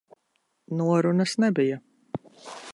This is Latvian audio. Norunas nebija.